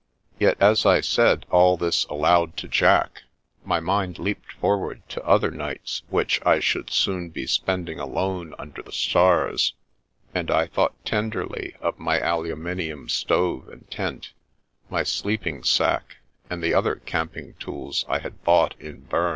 Yet, as I said all this aloud to Jack, my mind leaped forward to other nights which I should soon be spending alone under the stars, and I thought tenderly of my aluminium stove and tent, my sleeping sack, and the other camping tools I had bought in Bern.